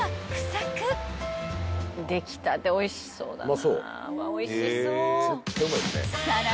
出来たておいしそうだな。